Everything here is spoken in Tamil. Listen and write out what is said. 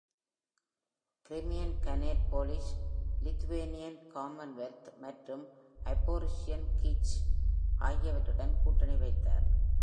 கிரிமியன் கானேட் போலிஷ்-லித்துவேனியன் காமன்வெல்த் மற்றும் ஜபோரிஷியன் சிச் ஆகியவற்றுடன் கூட்டணி வைத்தார்.